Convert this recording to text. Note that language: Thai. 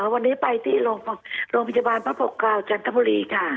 วันนี้ไปที่โรงพยาบาลพระปกคราวจันทบุรีค่ะ